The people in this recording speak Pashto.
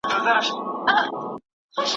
هغه وویل چې علم حاصلول پر هر مسلمان فرض دي.